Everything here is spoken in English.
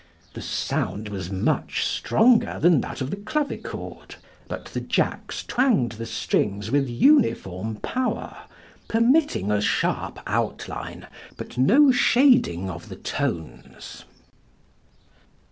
The sound was much stronger than that of the clavichord. But the jacks twanged the strings with uniform power, "permitting a sharp outline, but no shading of the tones."